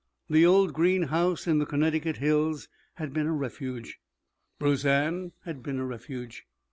The old green house in the Connecticut hills had been a refuge; Roseanne had been a refuge.